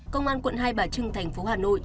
công an quận hai bà trưng tp hcm